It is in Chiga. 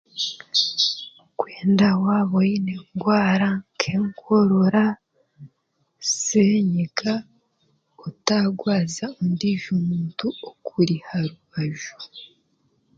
Kwenda waaba oine endwaara nk'enkoroora, senyiga, otaarwaza omuntu ondiijo okuri aha rubaju.